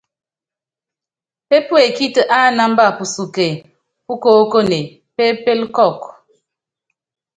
Pépuekíti ánámba pusuke púkoókone, pépélé kɔɔku.